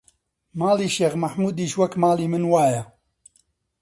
ماڵی شێخ مەحموودیش وەک ماڵی من وایە!